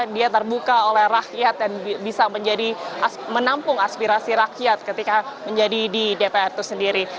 dia terbuka oleh rakyat dan bisa menjadi menampung aspirasi rakyat ketika menjadi di dpr itu sendiri